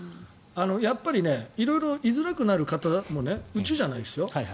やっぱり色々いづらくなる方もうちじゃないですよ。